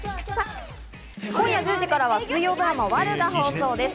今夜１０時からは水曜ドラマ『悪女』が放送です。